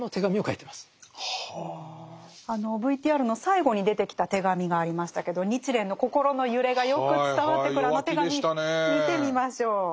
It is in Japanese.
ＶＴＲの最後に出てきた手紙がありましたけど日蓮の心の揺れがよく伝わってくるあの手紙見てみましょう。